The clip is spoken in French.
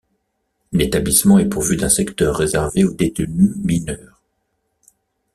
L'établissement est pourvu d'un secteur réservé aux détenus mineurs.